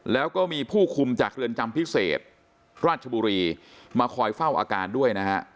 แล้วก็มีผู้คุมจากเรือนจำพิเศษราชบุรีมาคอยเฝ้าอาการด้วยนะฮะ